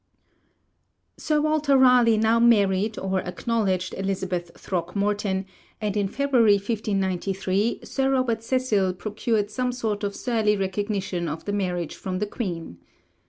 Sir Walter Raleigh now married or acknowledged Elizabeth Throckmorton, and in February 1593 Sir Robert Cecil procured some sort of surly recognition of the marriage from the Queen.